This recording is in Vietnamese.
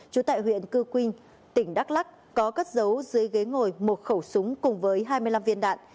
trú tại huyện cư quynh tỉnh đắk lắc có cất dấu dưới ghế ngồi một khẩu súng cùng với hai mươi năm viên đạn